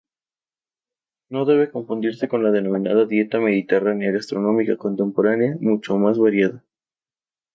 No debe confundirse con la denominada dieta mediterránea, gastronomía contemporánea, mucho más variada.